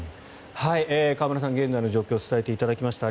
河村さんに現在の状況を伝えていただきました。